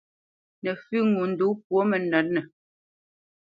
Nǝfʉ́ ŋo ndǒ pwo mǝnǝ̌tnǝ.